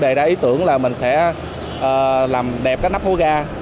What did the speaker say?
đoàn phường đã ý tưởng là mình sẽ làm đẹp các nắp hố ga